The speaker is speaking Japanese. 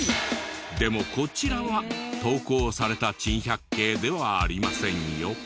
でもこちらは投稿された珍百景ではありませんよ。